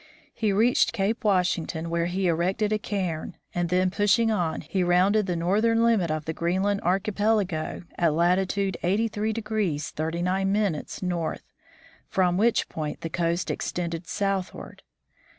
He reached Cape Washington, where he erected a cairn, and then pushing on, he rounded the northern limit of the Greenland archipelago at latitude 83 39' north, from which point the coast extended southward.